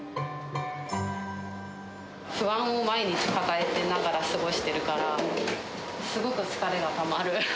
不安を毎日抱えながら過ごしてるから、すごく疲れがたまる。